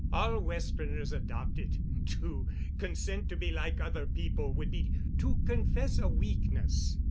All Westerners adopt it. To consent to be like other people would be to confess a weakness."